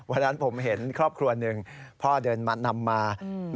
วันนั้นผมเห็นครอบครัวหนึ่งพ่อเดินมานำมา